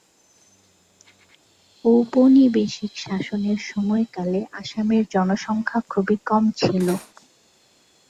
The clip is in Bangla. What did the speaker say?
ঔপনিবেশিক শাসনের সময়কালে আসামের জনসংখ্যা খুবই কম ছিল।